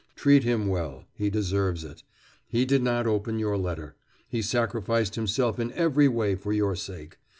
Treat him well. He deserves it. He did not open your letter. He sacrificed himself in every way for your sake.